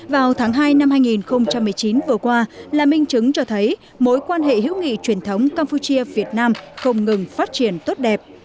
vào tháng hai năm hai nghìn một mươi chín vừa qua là minh chứng cho thấy mối quan hệ hữu nghị truyền thống campuchia việt nam không ngừng phát triển tốt đẹp